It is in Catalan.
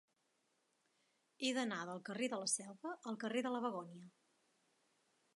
He d'anar del carrer de la Selva al carrer de la Begònia.